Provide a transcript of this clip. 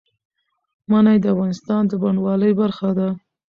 منی د افغانستان د بڼوالۍ برخه ده.